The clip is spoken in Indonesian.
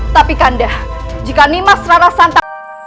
tapi kandah jika nimas rarasantap